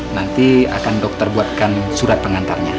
nanti akan dokter buatkan surat pengantarnya